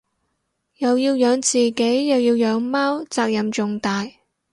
又要養自己又要養貓責任重大